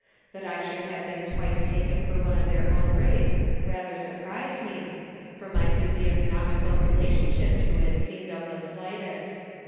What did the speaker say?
That I should have been twice taken for one of their own race rather surprised me, for my physiognomical relationship to it seemed of the slightest.